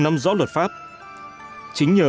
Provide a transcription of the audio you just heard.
nắm rõ luật pháp chính nhờ